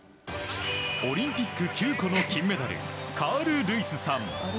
オリンピック９個の金メダルカール・ルイスさん。